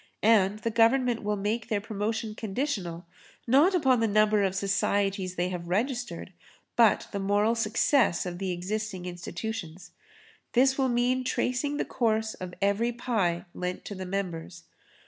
And the Government will make their promotion conditional, not upon the number of societies they have registered, but the moral success of the existing institutions. This will mean tracing the course of every pie lent to the members.